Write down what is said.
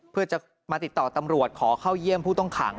เพื่อจะมาติดต่อตำรวจขอเข้าเยี่ยมผู้ต้องขัง